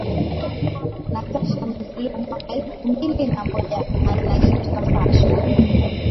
Natasha amezaliwa mwaka elfu mbili na moja anayeitwa Sasha